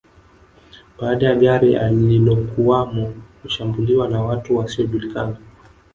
Baada ya gari alilokuwamo kushambuliwa na watu wasiojulikana